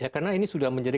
karena ini sudah menjadi